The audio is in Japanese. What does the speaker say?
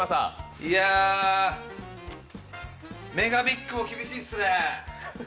いや、ＭＥＧＡＢＩＧも厳しっすね。